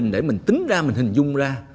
hai mươi ba để mình tính ra mình hình dung ra